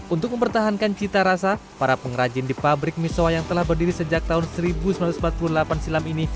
untuk mempertahankan cita rasa para pengrajin di pabrik misoa yang telah berdiri sejak tahun seribu sembilan ratus empat puluh delapan silam ini